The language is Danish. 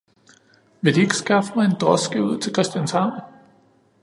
vil De ikke skaffe mig en droske ud til Christianshavn!